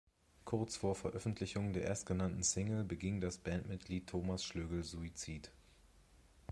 Kurz vor Veröffentlichung der erstgenannten Single beging das Bandmitglied Thomas Schlögl Suizid.